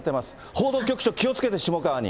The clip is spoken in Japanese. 報道局長、気をつけて、下川に。